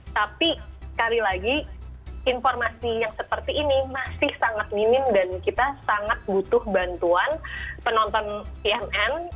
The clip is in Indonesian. tapi sekali lagi informasi yang seperti ini masih sangat minim dan kita sangat butuh bantuan penonton cnn